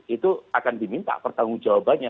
itu akan diminta pertanggung jawabannya